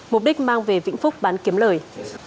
mục đích mang về vĩnh phúc bán kiếm lời